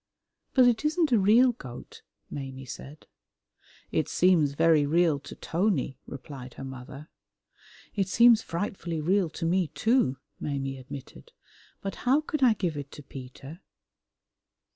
"But it isn't a real goat," Maimie said. "It seems very real to Tony," replied her mother. "It seems frightfully real to me too," Maimie admitted, "but how could I give it to Peter?"